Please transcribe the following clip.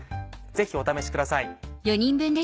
ぜひお試しください。